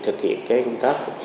thực hiện cái công tác